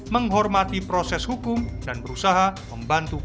menghormati proses hukum dan berusaha membantu kpk